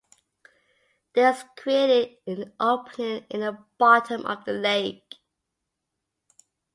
This created an opening in the bottom of the lake.